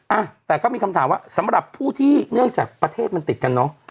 อ่ะแต่ก็มีคำถามว่าสำหรับผู้ที่เนื่องจากประเทศมันติดกันเนอะ